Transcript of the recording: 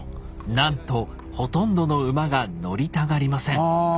なんとほとんどの馬が乗りたがりません。